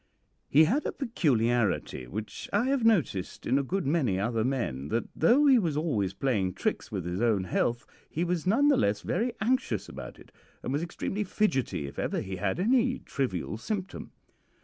"He had a peculiarity which I have noticed in a good many other men, that though he was always playing tricks with his own health, he was none the less very anxious about it, and was extremely fidgety if ever he had any trivial symptom.